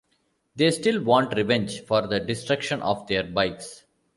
They still want revenge for the destruction of their bikes.